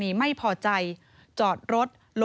นี่เป็นคลิปวีดีโอจากคุณบอดี้บอยสว่างอร่อย